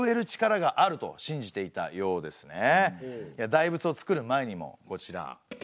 大仏を造る前にもこちら。